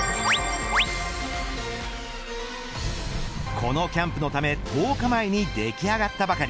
このキャンプのため１０日前に出来上がったばかり。